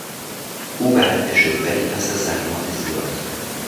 او برنده شد ولی پس از زحمات زیاد.